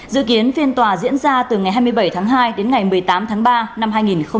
dự kiến phiên tòa diễn ra từ ngày hai mươi bảy tháng hai đến ngày một mươi tám tháng ba năm hai nghìn hai mươi